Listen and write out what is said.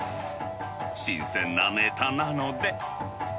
新鮮なねたなので。